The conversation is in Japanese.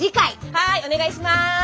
はいお願いします！